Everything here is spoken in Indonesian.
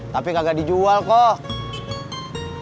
tapi kagak dijual koc